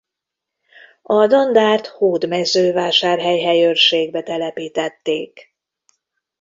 A dandárt Hódmezővásárhely helyőrségbe telepítették.